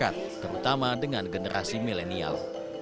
terutama dengan generasi milenial